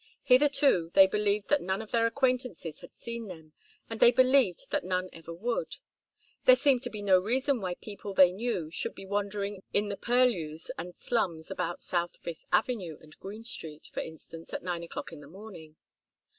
Hitherto, they believed that none of their acquaintances had seen them, and they believed that none ever would. There seemed to be no reason why people they knew should be wandering in the purlieus and slums about South Fifth Avenue and Green Street, for instance, at nine o'clock in the morning.